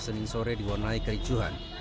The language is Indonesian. senin sore di wonai kericuhan